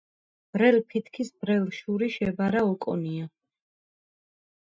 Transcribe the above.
ბრელ ფითქის ბრელ შურიშ ებარა ოკონია.